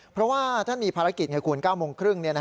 เพราะว่าท่านมีภารกิจไงคุณ๙โมงครึ่ง